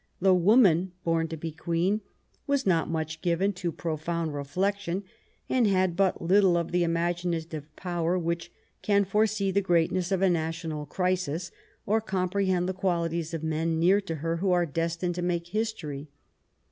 The woman bom to be Queen was not much given to profound reflection, and had but little of the imaginative power which can foresee the greatness of a national crisis or comprehend the qualities of men near to her who are destined to make history.